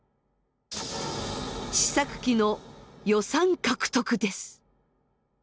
試作機の予算獲得です。